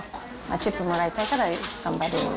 チップもらいたいから頑張る。